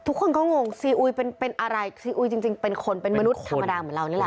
ทุกคนก็งงซีอุยเป็นอะไรซีอุยจริงเป็นคนเป็นมนุษย์ธรรมดาเหมือนเรานี่แหละ